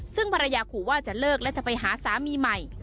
ซึ่งภรรยาขู่ว่าจะเลิกและจะไปหาสามีใหม่